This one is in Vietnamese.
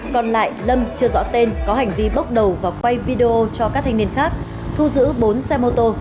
còn lại lâm chưa rõ tên có hành vi bốc đầu và quay video cho các thanh niên khác thu giữ bốn xe mô tô